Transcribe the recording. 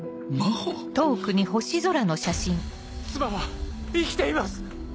真帆⁉妻は生きています！